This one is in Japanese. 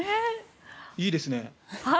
いいですね。